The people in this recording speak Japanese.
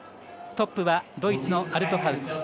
トップはドイツのアルトハウス。